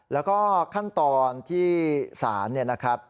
แล้วก็ขั้นตอนที่ศาลเนี่ยนะครับ